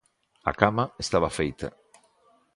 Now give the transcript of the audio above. A cama estaba feita.